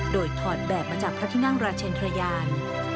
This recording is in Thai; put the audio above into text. โดยถอดแบบมาจากพระที่นั่งราชเชนทรยาน